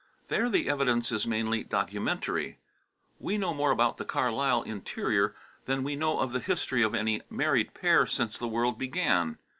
There the evidence is mainly documentary. We know more about the Carlyle interior than we know of the history of any married pair since the world began.